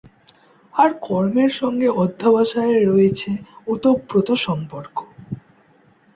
আর কর্মের সঙ্গে অধ্যবসায়ের রয়েছে ওতপ্রোত সম্পর্ক।